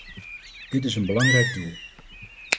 Dit is een belangrijk doel.